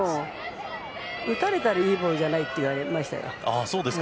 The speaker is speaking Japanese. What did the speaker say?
打たれたらいいボールじゃないと言われましたよ。